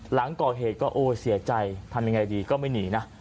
หลังก่อเหตุก็โอ้เสียใจทำยังไงดีก็ไม่หนีนะ